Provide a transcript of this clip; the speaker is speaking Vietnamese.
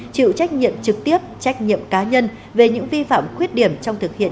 chịu trách nhiệm trực tiếp trách nhiệm cá nhân về những vi phạm khuyết điểm trong thực hiện